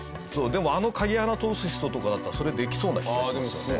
でもあの鍵穴通す人とかだったらそれできそうな気がしますよね。